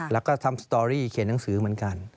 แล้วก็ทำสตอรี่เขียนหนังสือเหมือนกัน